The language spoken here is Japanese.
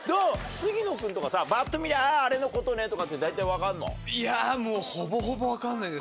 杉野君とかバッと見て「ああれのことね」とかって大体分かんの？